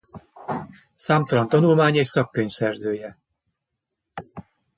Számtalan tanulmány és szakkönyv szerzője.